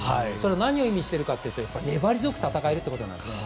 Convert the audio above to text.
何を意味しているかというと粘り強く戦えるということなんですね。